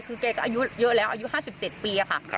คือเกย์ก็อายุเยอะแล้วอายุห้าสิบเจ็ดปีอะค่ะครับ